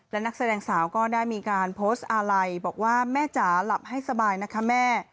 และนักแสดงสาวก็ได้มีการโพสต์อาลัยบอกว่าแม่จ๋าหลับให้สบายนะคะแม่